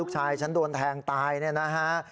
ฉันโดนแทงตายเนี่ยนะฮะ